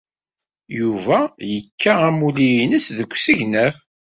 Yuba yekka amulli-nnes deg usegnaf.